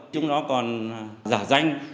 chúng nó còn giả danh